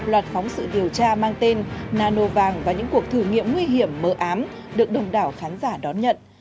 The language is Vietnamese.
loạt phóng sự điều tra mang tên nano vàng và những cuộc thử nghiệm nguy hiểm mờ ám được đồng đảo khán giả đón nhận